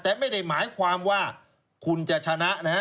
แต่ไม่ได้หมายความว่าคุณจะชนะนะฮะ